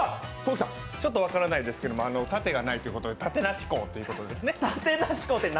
ちょっと分からないですけれども、縦がないということでたてなしこうということですね。